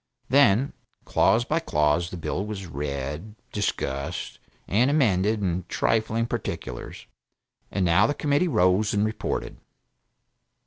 Then, clause by clause the bill was read, discussed, and amended in trifling particulars, and now the Committee rose and reported.